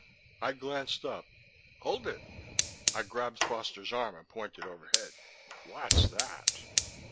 I glanced up. "Hold it!" I grabbed Foster's arm and pointed overhead. "What's that?"